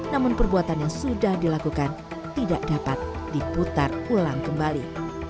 namun perbuatan yang sudah dilakukan tidak dapat diputar ulang kembali